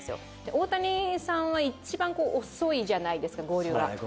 大谷さんは一番遅いじゃないですか、合流が。